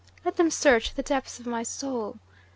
Let them search the depths of my soul.